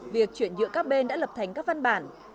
việc chuyển nhựa các bên đã lập thành các văn bản